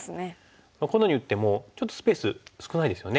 このように打ってもちょっとスペース少ないですよね。